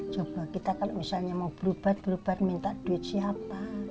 coba kita kalau misalnya mau berobat berubar minta duit siapa